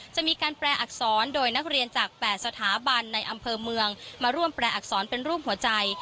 จะมีการแปลอักษรโดยนักเรียนจาก๘สถาบันในอำเภอเมืองมาร่วมแปลอักษรเป็นรูปหัวใจ